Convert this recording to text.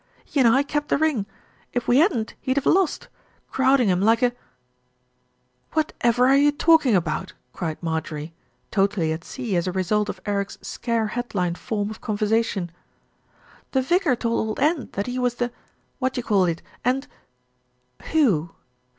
He and I kept the ring. If we hadn't he'd have lost. Crowding him like a " "Whatever are you talking about?" cried Marjorie, totally at sea as a result of Eric's scare headline form of conversation. MARJORIE HEARS THE NEWS 307 "The vicar told Old End that he was the, what d'you call it, and " "Who?"